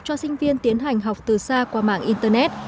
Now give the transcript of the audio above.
cho sinh viên tiến hành học từ xa qua mạng internet